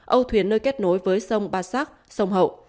âu thuyền nơi kết nối với sông ba sắc sông hậu